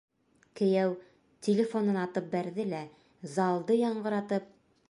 Кейәү телефонын атып бәрҙе лә, залды яңғыратып: